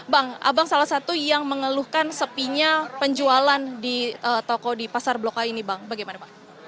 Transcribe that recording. bang abang salah satu yang mengeluhkan sepinya penjualan di toko di pasar blok a ini bang bagaimana bang